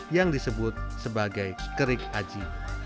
yang disebut sebagai kerik haji